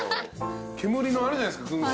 煙のあるじゃないですか薫製の。